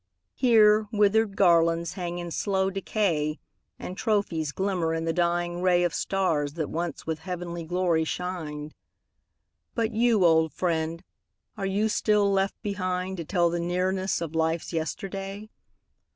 Here, withered garlands hang in slow decay. And trophies glimmer in the dying ray Of stars that once with heavenly glory shined. 280 THE FALLEN But you, old friend, are you still left behind To tell the nearness of life's yesterday?